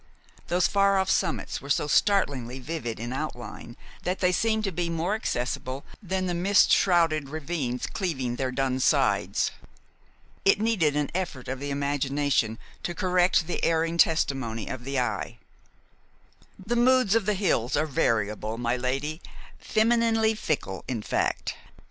Those far off summits were so startlingly vivid in outline that they seemed to be more accessible than the mist shrouded ravines cleaving their dun sides. It needed an effort of the imagination to correct the erring testimony of the eye. "The moods of the hills are variable, my lady, femininely fickle, in fact.